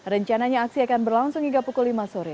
rencananya aksi akan berlangsung hingga pukul lima sore